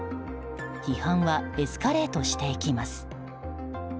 批判はエスカレートしていきます。